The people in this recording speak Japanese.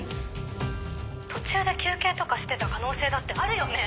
「途中で休憩とかしてた可能性だってあるよね」